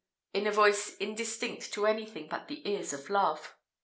in a voice indistinct to anything but the ears of love.